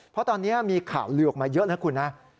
เพราะตอนนี้มีข่าวลือออกมาเยอะนะคุณนะ